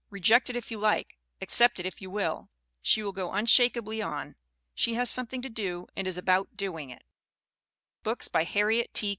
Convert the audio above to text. Reject it if you like, ac cept it if you will; she will go unshakeably on. She has something to do and is about doing it. HARRIET T. COMSTOCK 341 BOOKS BY HARRIET T.